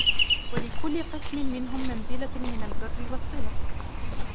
وَلِكُلِّ قِسْمٍ مِنْهُمْ مَنْزِلَةٌ مِنْ الْبِرِّ وَالصِّلَةِ